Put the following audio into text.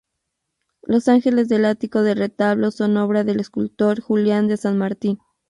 Los ángeles del ático del retablo son obra del escultor Julián de San Martín.